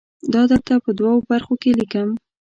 دا درته په دوو برخو کې لیکم.